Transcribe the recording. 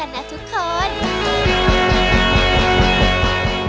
มาเจอป๊าป๊าต้องพูดช้าเพราะป๊าป๊าฟังเร็วไม่ได้